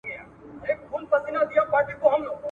زه د جهل ځنځیرونه د زمان کندي ته وړمه !.